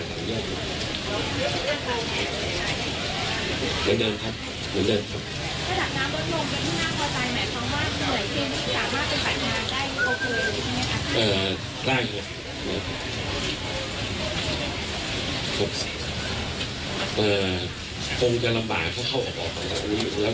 ต้องจะลำบากเข้าออก